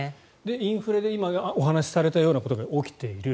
インフレで今お話しされたようなことが起きている。